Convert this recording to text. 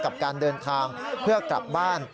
กับการเดินทางเพื่อกลับบ้าน